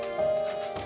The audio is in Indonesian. aku mau pergi